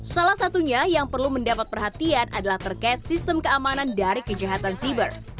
salah satunya yang perlu mendapat perhatian adalah terkait sistem keamanan dari kejahatan siber